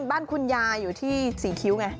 บ้านคุณยายอยู่ที่ศรีคิ้วไง